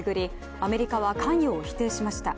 アメリカは関与を否定しました。